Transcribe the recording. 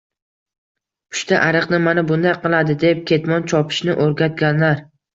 Pushta-ariqni mana bunday qiladi”, deb ketmon chopishni o‘rgatganlar.